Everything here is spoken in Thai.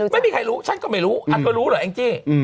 ไม่มีใครรู้ฉันก็ไม่รู้เธอรู้เหรอแองจี้